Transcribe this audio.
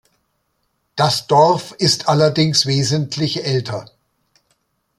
Das Dorf ist allerdings wesentlich älter.